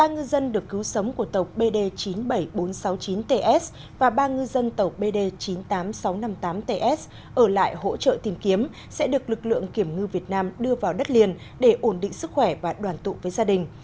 ba ngư dân được cứu sống của tàu bd chín mươi bảy nghìn bốn trăm sáu mươi chín ts và ba ngư dân tàu bd chín mươi tám nghìn sáu trăm năm mươi tám ts ở lại hỗ trợ tìm kiếm sẽ được lực lượng kiểm ngư việt nam đưa vào đất liền để ổn định sức khỏe và đoàn tụ với gia đình